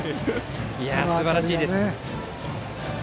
すばらしいですね。